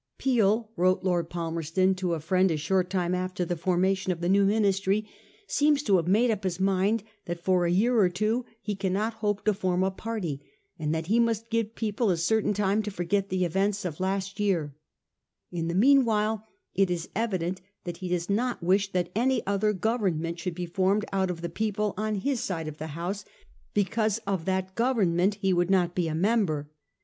' Peel,' wrote Lord Palmerston to a friend a short time after the formation of the new Ministry, ' seems to have made up his mind that for a year or two he cannot hope to form a party, and that he must give people a certain time to forget the events of last year ; in the meanwhile, it is evident that he does not wish that any other Government should be formed out of the people on his side of the House, because of that Government he would not be a member.